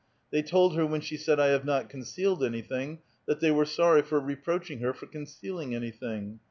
They told her when she said, '' I have not concealed anything," that they were sorry for reproaching her for concealing anything.